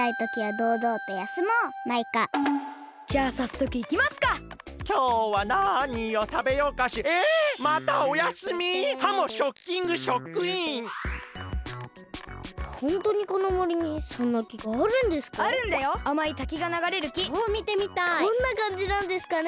どんなかんじなんですかね。